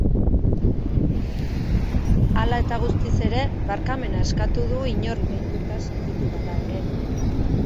Hala eta guztiz ere, barkamena eskatu du inor irainduta sentitu bada ere.